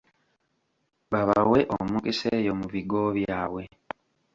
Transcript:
Babawe omukisa eyo mu bigo byabwe.